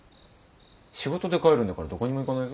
仕事で帰るんだからどこにも行かないぞ。